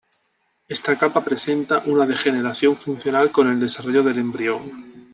Esta capa presenta una degeneración funcional con el desarrollo del embrión.